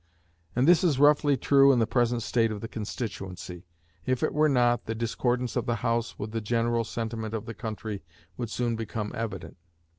And this is roughly true in the present state of the constituency; if it were not, the discordance of the House with the general sentiment of the country would soon become evident.